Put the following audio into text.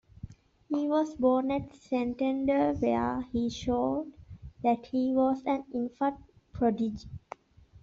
He was born at Santander where he showed that he was an infant prodigy.